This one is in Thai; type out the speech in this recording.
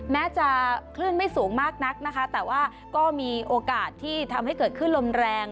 แม้จะคลื่นไม่สูงมากนักนะคะแต่ว่าก็มีโอกาสที่ทำให้เกิดขึ้นลมแรง